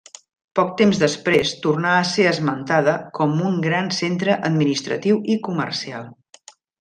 Poc temps després tornà a ser esmentada com un gran centre administratiu i comercial.